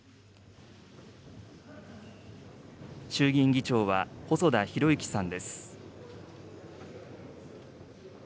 衆議院議長は、細田博之さんです。